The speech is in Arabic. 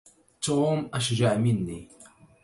توم أشجع منّي.